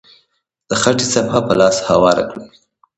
د خټې صفحه په لاسو هواره کړئ.